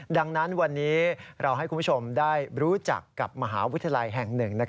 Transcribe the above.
ดังนั้นวันนี้เราให้คุณผู้ชมได้รู้จักกับมหาวิทยาลัยแห่งหนึ่ง